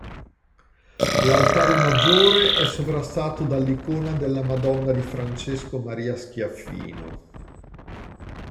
L'altare maggiore è sovrastato dall'icona della Madonna di Francesco Maria Schiaffino.